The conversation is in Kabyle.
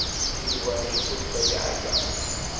Yuba iḥulfa yeɛya.